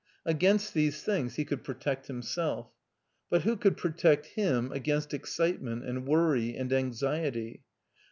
Against these things he could protect himself. ■ But who could protect him against excitement and worry and anxiety?